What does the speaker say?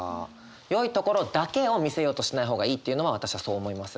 「よいところ」だけを見せようとしない方がいいっていうのは私はそう思います。